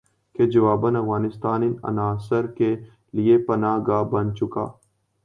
کہ جوابا افغانستان ان عناصر کے لیے پناہ گاہ بن چکا